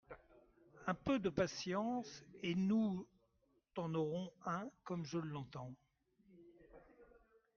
Un peu de patience, et nous t’en aurons un… comme je l’entends.